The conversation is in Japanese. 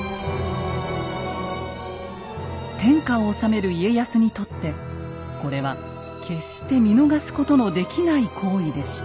天下を治める家康にとってこれは決して見逃すことのできない行為でした。